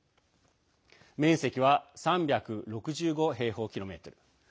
面積は３６５平方キロメートル。